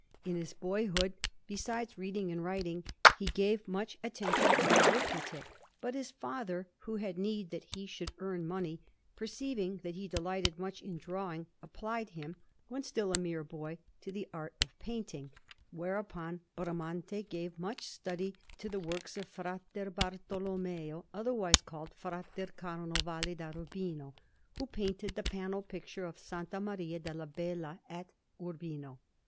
In his boyhood, besides reading and writing, he gave much attention to arithmetic; but his father, who had need that he should earn money, perceiving that he delighted much in drawing, applied him, when still a mere boy, to the art of painting; whereupon Bramante gave much study to the works of Fra Bartolommeo, otherwise called Fra Carnovale da Urbino, who painted the panel picture of S. Maria della Bella at Urbino.